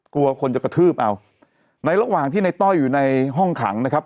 กลัวคนจะกระทืบเอาในระหว่างที่ในต้อยอยู่ในห้องขังนะครับ